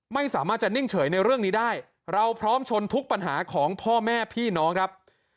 ไม่สามารถจะนิ่งเฉยในเรื่องนี้ได้เราพร้อมชนทุกปัญหาของพ่อแม่พี่น้องครับ